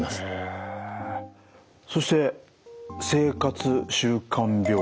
そして生活習慣病。